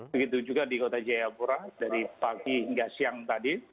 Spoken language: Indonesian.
begitu juga di kota jayapura dari pagi hingga siang tadi